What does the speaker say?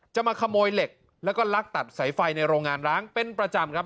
จะมาขโมยเหล็กแล้วก็ลักตัดสายไฟในโรงงานร้างเป็นประจำครับ